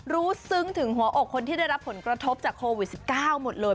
ซึ้งถึงหัวอกคนที่ได้รับผลกระทบจากโควิด๑๙หมดเลย